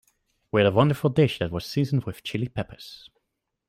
We had a wonderful dish that was seasoned with Chili Peppers.